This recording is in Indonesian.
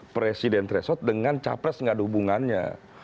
presiden tresot dengan capres tidak ada hubungannya